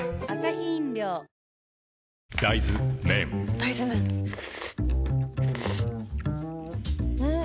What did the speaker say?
大豆麺ん？